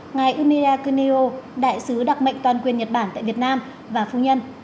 ngài unida kuneo đại sứ đặc mệnh toàn quyền nhật bản tại việt nam và phu nhân